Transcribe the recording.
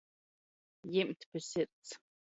Jimt pi sirds.